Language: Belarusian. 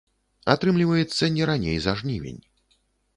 Атрымліваецца, не раней за жнівень.